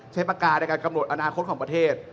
ปากกาในการกำหนดอนาคตของประเทศ